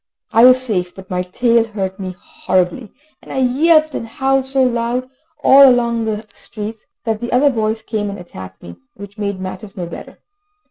I was safe, but my tail hurt me horribly, and I yelped and howled so loud all along the streets, that the other dogs came and attacked me, which made matters no better.